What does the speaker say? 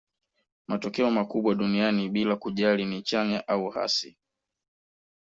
matokeo makubwa duniani bila kujali ni chanya au hasi